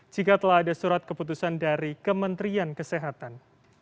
jika telah ada surat keputusan dari kementerian kesehatan